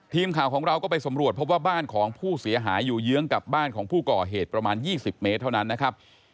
ทีมข่าวของเราก็ไปสำรวจพบว่าบ้านของผู้เสียหายอยู่เยื้องกับบ้านของผู้ก่อเหตุประมาณ๒๐เมตรเท่านั้นนะครับ